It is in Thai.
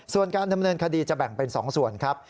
ส่วนการดำเนินคดีจะแบ่งเป็น๒ส่วนครับ